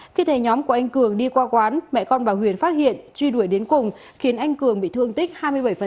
khi thấy nhóm của anh cường đi qua quán mẹ con bà huyền phát hiện truy đuổi đến cùng khiến anh cường bị thương tích hai mươi bảy